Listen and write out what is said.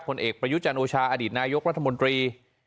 ผลเอกประยุจันโอชาอดีตนายกรัฐมนตรี